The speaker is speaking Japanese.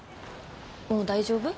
もう大丈夫？